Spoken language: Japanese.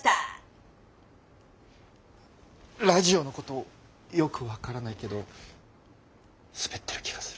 ラジオのことよく分からないけどスベってる気がする。